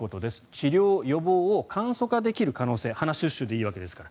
治療・予防を簡素化できる可能性鼻シュッシュでいいわけですから。